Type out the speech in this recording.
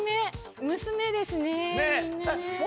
娘ですねみんなね。